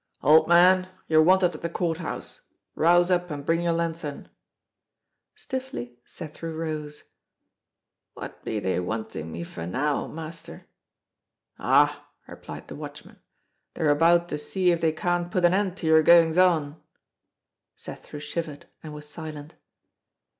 "Old man, you are wanted at the Court House; rouse up, and bring your lanthorn." Stiffly Cethru rose. "What be they wantin' me fur now, mester?" "Ah!" replied the Watchman, "they are about to see if they can't put an end to your goings on." Cethru shivered, and was silent.